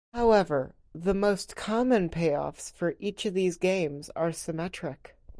However, the most common payoffs for each of these games are symmetric.